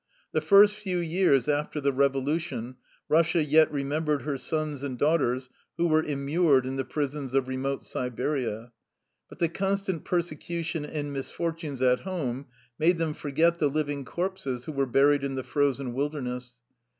The first few years after the revolution Eussia yet remembered her sons and daughters who were immured in the prisons of remote Siberia. But the constant persecution and misfortunes at home made them forget the living corpses who were buried in the frozen wilderness.